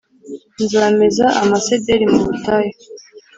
Nzameza amasederi mu butayu,